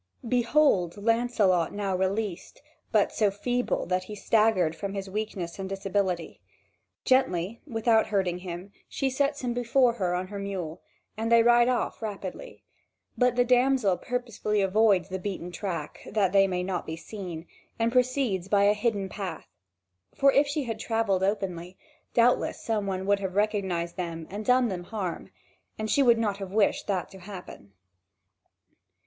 Behold Lancelot now released, but so feeble that he staggered from his weakness and disability. Gently, without hurting him, she sets him before her on her mule, and then they ride off rapidly. But the damsel purposely avoids the beaten track, that they may not be seen, and proceeds by a hidden path; for if she had travelled openly, doubtless some one would have recognised them and done them harm, and she would not have wished that to happen.